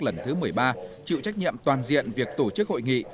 lần thứ một mươi ba chịu trách nhiệm toàn diện việc tổ chức hội nghị